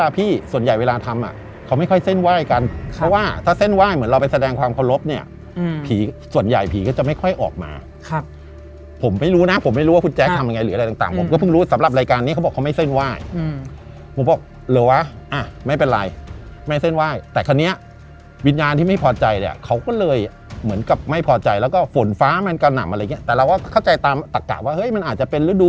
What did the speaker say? พี่ส่วนใหญ่เวลาทำอ่ะเขาไม่ค่อยเส้นไหว้กันเพราะว่าถ้าเส้นไหว้เหมือนเราไปแสดงความขอบครบเนี่ยส่วนใหญ่ผีก็จะไม่ค่อยออกมาผมไม่รู้นะผมไม่รู้ว่าคุณแจ๊คทำยังไงหรืออะไรต่างผมก็เพิ่งรู้สำหรับรายการนี้เขาบอกเขาไม่เส้นไหว้ผมบอกเหรอวะอ่ะไม่เป็นไรไม่เส้นไหว้แต่คราวนี้วิญญาณที่ไม่พอใจเนี่ยเขาก็เลยเห